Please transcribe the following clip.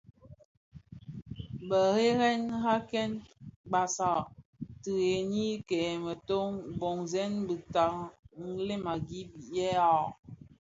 Bēghèrakèn basag tigèni dhi mekon mboňzèn dhitaa mlem a gib lè ag.